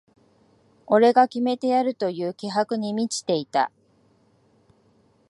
俺が決めてやるという気迫に満ちていた